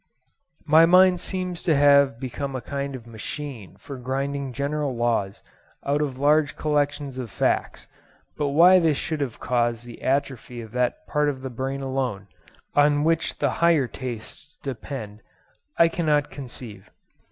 My mind seems to have become a kind of machine for grinding general laws out of large collections of facts, but why this should have caused the atrophy of that part of the brain alone, on which the higher tastes depend, I cannot conceive.